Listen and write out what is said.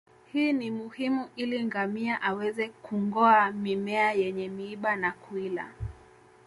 Hii ni muhimu ili ngamia aweze kungoa mimea yenye miiba na kuila